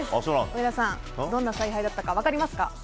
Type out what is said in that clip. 上田さん、どんな采配だったか分かりますか？